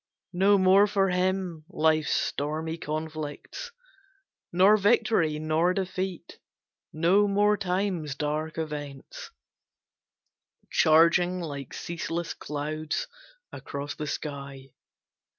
No more for him life's stormy conflicts, Nor victory, nor defeat no more time's dark events, Charging like ceaseless clouds across the sky.